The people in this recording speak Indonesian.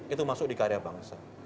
itu masuk di karya bangsa